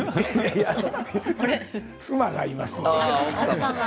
妻がいますので。